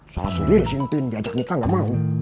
salah sendiri si entin diajak nikah nggak mau